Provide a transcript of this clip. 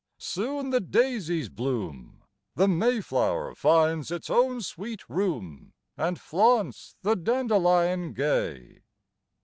soon the daisies bloom, The Mayflower finds its own sweet room, And flaunts the dandelion gay.